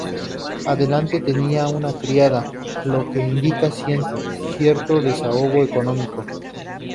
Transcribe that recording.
Además tenía una criada, lo que indica cierto desahogo económico.